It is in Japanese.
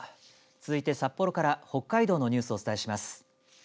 続いて札幌から北海道のニュースをお伝えします。